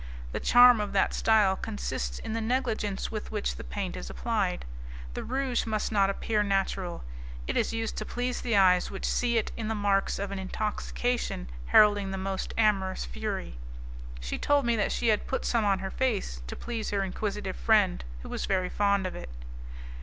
The charm of that style consists in the negligence with which the paint is applied. The rouge must not appear natural; it is used to please the eyes which see in it the marks of an intoxication heralding the most amorous fury. She told me that she had put some on her face to please her inquisitive friend, who was very fond of it.